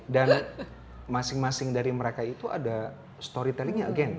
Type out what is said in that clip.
dan masing masing dari mereka itu ada story tellingnya again